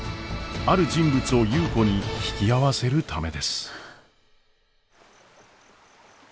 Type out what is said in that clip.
ある人物を優子に引き合わせるためです。